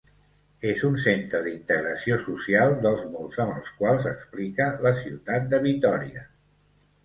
És un centre d'integració social dels molts amb els quals explica la ciutat de Vitòria.